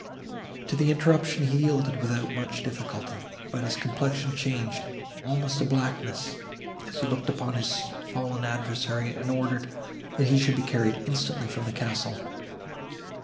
To the interruption he yielded without much difficulty, but his complexion changed almost to blackness, as he looked upon his fallen adversary, and ordered, that he should be carried instantly from the castle.